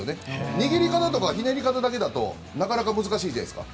握り方とかひねり方だけだとなかなか難しいじゃないですか。